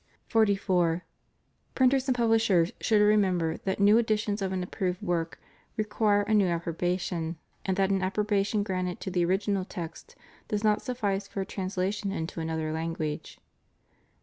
44. Printers and publishers should remember that new editions of an approved work require a new approbation; and that an approbation granted to the original text does not suffice for a translation into another language.